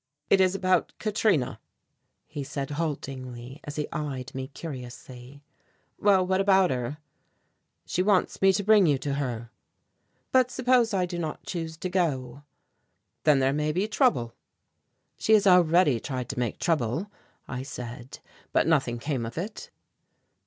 "It is about Katrina," he said haltingly, as he eyed me curiously. "Well, what about her?" "She wants me to bring you to her." "But suppose I do not choose to go?" "Then there may be trouble." "She has already tried to make trouble," I said, "but nothing came of it."